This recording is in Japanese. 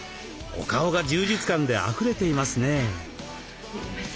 お顔が充実感であふれていますね。